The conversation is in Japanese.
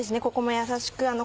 ここもやさしく。